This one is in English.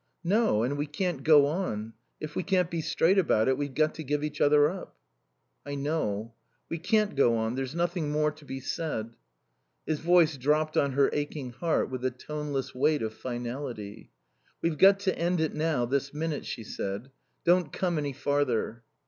"No. And we can't go on. If we can't be straight about it we've got to give each other up." "I know. We can't go on. There's nothing more to be said." His voice dropped on her aching heart with the toneless weight of finality. "We've got to end it now, this minute," she said. "Don't come any farther."